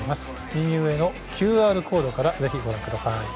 右上のＱＲコードからご覧ください。